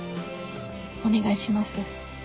お願いします。